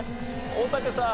大竹さん。